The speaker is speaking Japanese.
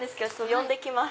呼んできます。